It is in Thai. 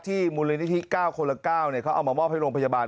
มูลนิธิ๙คนละ๙เขาเอามามอบให้โรงพยาบาล